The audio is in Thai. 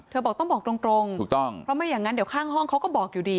บอกต้องบอกตรงถูกต้องเพราะไม่อย่างนั้นเดี๋ยวข้างห้องเขาก็บอกอยู่ดี